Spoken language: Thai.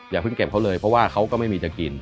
อย่าเพิ่งเก็บเขาเลยเพราะว่าเขาก็ไม่มีจะกิน